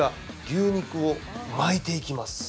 牛肉を巻いていきます。